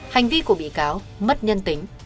hành vi của bị cáo mất nhân tính